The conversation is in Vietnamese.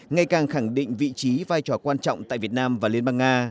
ngày càng khẳng định vị trí vai trò quan trọng tại việt nam và liên bang nga